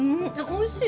おいしい！